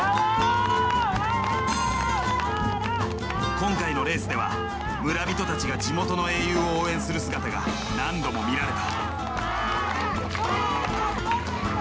今回のレースでは村人たちが地元の英雄を応援する姿が何度も見られた。